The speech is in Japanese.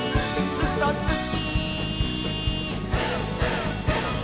「うそつき！」